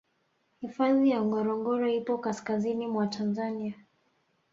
hifadhi ya ngorongoro ipo kaskazini mwa tanzania